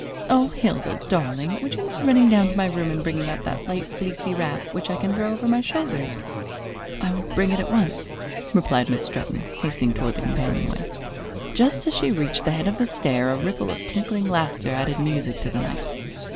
Oh, Hilda, darling, would you mind running down to my room and bringing up that light fleecy wrap, which I can thrown over my shoulders?" "I will bring it at once," replied Miss Stretton, hastening toward the companion way. Just as she reached the head of the stair a ripple of tinkling laughter added music to the night.